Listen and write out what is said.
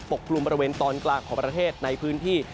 กลุ่มบริเวณตอนกลางของประเทศในพื้นที่